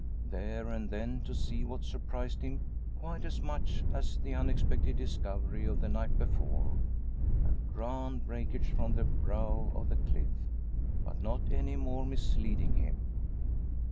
There and then to see what surprised him quite as much as the unexpected discovery of the night before a grand breakage from the brow of the cliff. But not any more misleading him.